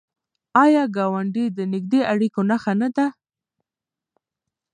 آیا ګاونډی د نږدې اړیکو نښه نه ده؟